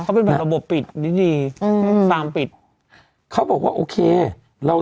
เนอะเขาเป็นแบบระบบปิดนิดสามปิดเขาบอกว่าโอเคเรา